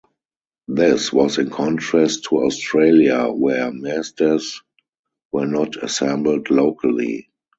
This was in contrast to Australia, where Mazdas were not assembled locally.